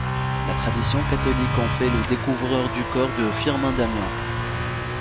La tradition catholique en fait le découvreur du corps de Firmin d'Amiens.